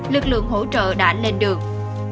lực lượng hỗ trợ đã lên đường